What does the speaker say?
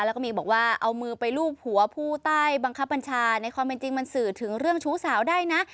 แล้วก็มีบอกว่าเอามือไปลูบหัวผู้ใต้บังคับบัญชาในความเป็นจริงมันสื่อถึงเรื่องชู้สาวได้นะ